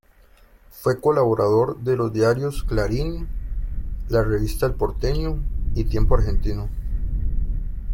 Fue colaborador de los diarios Clarín, la revista El Porteño y Tiempo Argentino.